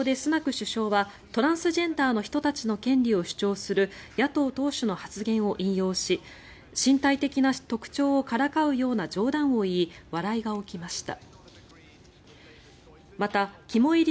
首相がトランスジェンダーの人たちの権利を主張する野党党首の発言を引用し身体的な特徴をからかうような冗談を言い笑いが起きました。